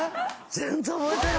全然覚えてない。